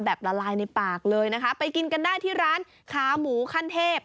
ละลายในปากเลยนะคะไปกินกันได้ที่ร้านขาหมูขั้นเทพ